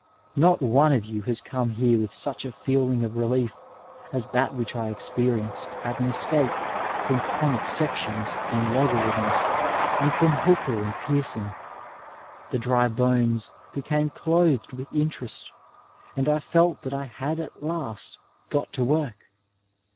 Not one of you has come here with such a feeling of relief as that which I experienced at an escape from conic sections and logarithms and from Hooker and Pearson. The dry bones became clothed with interest, and I felt that I had at last got to work.